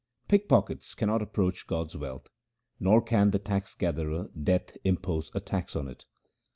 Pickpockets cannot approach God's wealth, nor can the tax gatherer Death impose a tax on it.